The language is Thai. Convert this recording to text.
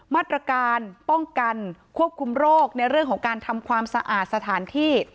มาตรการป้องกันควบคุมโรคในเรื่องของการทำความสะอาดสถานที่